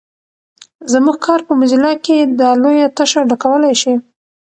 زموږ کار په موزیلا کې دا لویه تشه ډکولای شي.